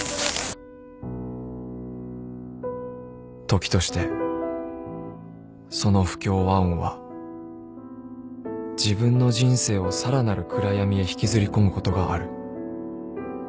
［時としてその不協和音は自分の人生をさらなる暗闇へ引きずり込むことがある］